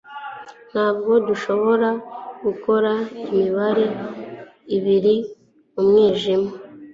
ntabwo dushobora gukora imibare ibiri mu mwijima